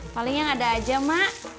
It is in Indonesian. paling yang ada aja mak